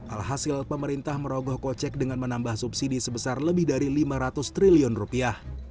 alhasil pemerintah merogoh kocek dengan menambah subsidi sebesar lebih dari lima ratus triliun rupiah